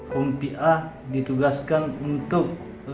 kompi alpha ditugaskan untuk